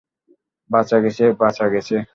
বাঁচা গেছে, বাঁচা গেছে!